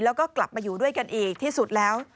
แล้วก็กลับมาอยู่ด้วยกันอีกที่สุดแล้ว